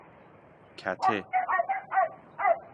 کته